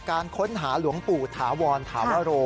การค้นหาหลวงปู่ถาวรถาวโร